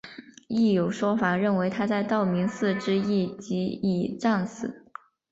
亦有说法认为他在道明寺之役即已战死。